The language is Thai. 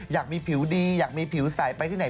อยากมีผิวดีอยากมีผิวใสไปที่ไหน